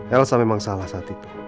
elsa memang salah saat itu